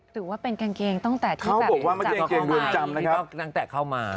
หรือว่าเป็นกางเกงตั้งแต่ที่เข้ามาตั้งแต่เข้ามา